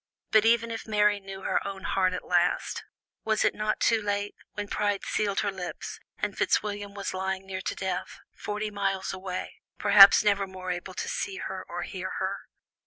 And even if Mary knew her own heart at last, was it not too late, when pride sealed her lips, and Fitzwilliam was lying near to death, forty miles away, perhaps never more able to see her or hear her?